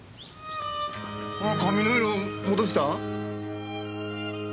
髪の色戻した？